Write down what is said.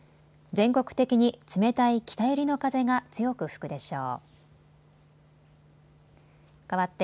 全国的に冷たい北寄りの風が強く吹くでしょう。